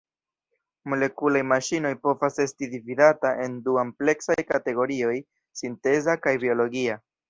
Molekulaj maŝinoj povas esti dividata en du ampleksaj kategorioj; sinteza kaj biologia.